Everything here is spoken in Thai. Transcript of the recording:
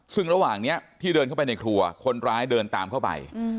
ซึ่งระหว่างนี้ที่เดินเข้าไปในครัวคนร้ายเดินตามเข้าไป